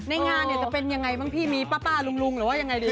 ในงานจะเป็นยังไงมั้งพี่มีป๊าลุงหรือว่ายังไงดี